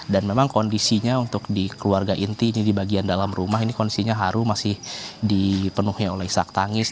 dan memang kondisinya untuk di keluarga inti ini di bagian dalam rumah ini kondisinya haru masih dipenuhi oleh sak tangis